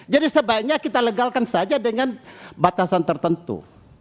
jadi sebaiknya kita legalkan saja dengan batasan tertentu